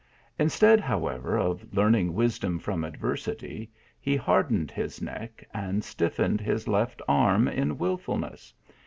Instead, however, of learning wis dom from adversity, he hardened his neck, and stiffened his left arm in wilfulness.